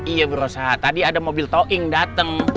iya bro saat tadi ada mobil towing dateng